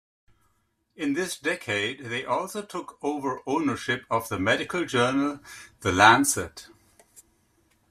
In this decade they also took over ownership of the medical journal, "The Lancet".